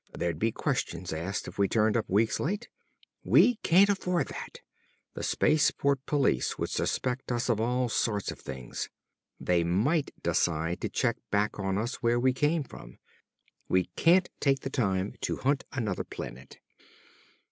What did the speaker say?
There'd be questions asked if we turned up weeks late! We can't afford that! The space port police would suspect us of all sorts of things. They might decide to check back on us where we came from. We can't take the time to hunt another planet!"